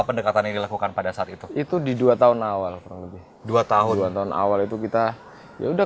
pendekatan yang dilakukan pada saat itu itu di dua tahun awal dua tahun tahun awal itu kita ya udah